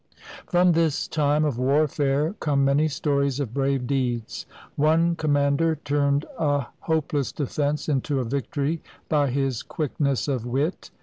From this time of warfare come many stories of brave deeds. One commander turned a hopeless defense into a victory by his quickness of wit.